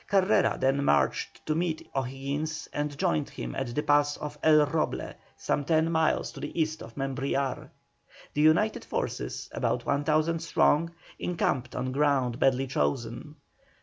Carrera then marched to meet O'Higgins, and joined him at the pass of "El Roble," some ten miles to the east of Membrillar. The united forces, about 1,000 strong, encamped on ground badly chosen.